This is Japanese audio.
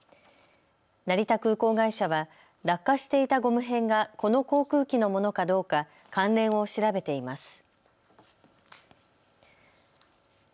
成田空港会社は落下していたゴム片がこの航空機のものかどうか関連を調べています。